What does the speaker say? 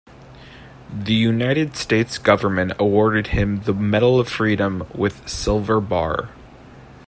The United States government awarded him the Medal of Freedom with Silver Bar.